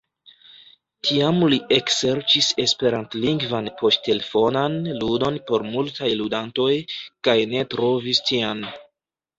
Tiam li ekserĉis esperantlingvan poŝtelefonan ludon por multaj ludantoj, kaj ne trovis tian.